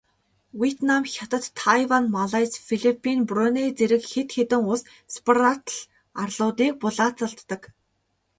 Вьетнам, Хятад, Тайвань, Малайз, Филиппин, Бруней зэрэг хэд хэдэн улс Спратл арлуудыг булаацалддаг.